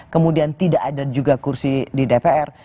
kemudian tidak ada juga kursi di dpr